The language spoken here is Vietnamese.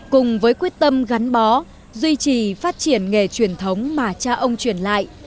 cùng với quyết tâm gắn bó duy trì phát triển nghề truyền thống mà cha ông truyền lại